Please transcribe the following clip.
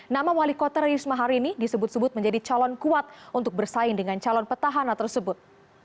nama wali kota risma hari ini disebut sebut menjadi calon kuat untuk bersaing dengan calon petahana tersebut